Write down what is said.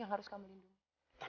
yang harus kamu lindungi